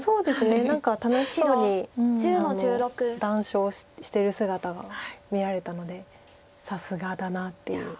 何か楽しそうに談笑してる姿が見られたのでさすがだなっていう感じです。